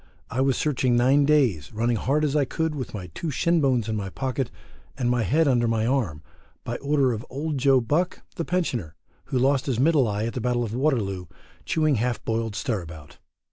I was searching nine days, running hard as I could with my two shin bones in my pocket, and my head under my arm, by order of Old Joe Buck, the Pensioner, who lost his middle eye at the Battle of Waterloo, chewing half boiled stirabout.